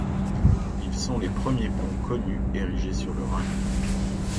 Ils sont les premiers ponts connus érigés sur le Rhin.